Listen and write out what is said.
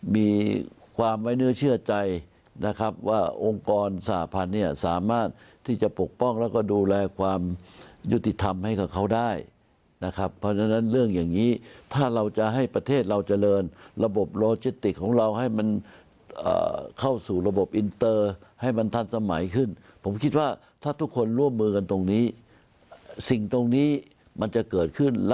มีความไว้เนื้อเชื่อใจนะครับว่าองค์กรสหพันธ์เนี่ยสามารถที่จะปกป้องแล้วก็ดูแลความยุติธรรมให้กับเขาได้นะครับเพราะฉะนั้นเรื่องอย่างนี้ถ้าเราจะให้ประเทศเราเจริญระบบโลจิติกของเราให้มันเข้าสู่ระบบอินเตอร์ให้มันทันสมัยขึ้นผมคิดว่าถ้าทุกคนร่วมมือกันตรงนี้สิ่งตรงนี้มันจะเกิดขึ้น